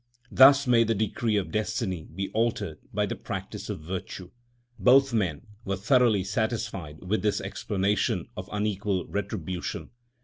Thus may the decree of destiny be altered by the practice of virtue. Both men were thoroughly satisfied with this explanation of unequal retribution.